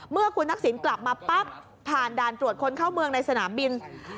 เมื่อคุณทักษิณกลับมาปั๊บผ่านด่านตรวจคนเข้าเมืองในสนามบิน